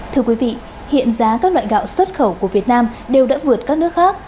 thưa quý vị hiện giá các loại gạo xuất khẩu của việt nam đều đã vượt các nước khác